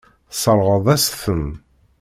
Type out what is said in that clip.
Tesseṛɣeḍ-as-ten.